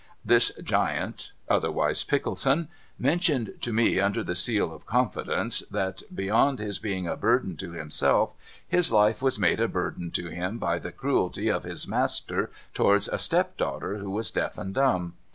This giant, otherwise Pickleson, mentioned to me under the seal of confidence that, beyond his being a burden to himself, his life was made a burden to him by the cruelty of his master towards a step daughter who was deaf and dumb.